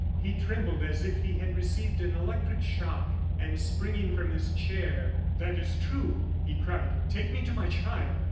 He trembled as if he had received an electric shock, and springing from his chair: "That is true," he cried. "Take me to my child."